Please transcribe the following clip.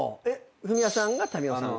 フミヤさんが民生さん？